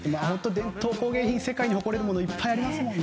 伝統工芸品、世界に誇れるものいっぱいありますもんね。